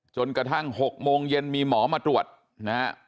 จนกระทั่ง๖โมงเย็นมีหมอมาตรวจนะฮะ